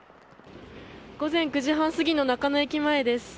午前９時半過ぎの中野駅前です。